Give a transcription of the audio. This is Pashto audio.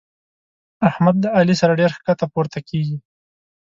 احمد له علي سره ډېره کښته پورته کېږي.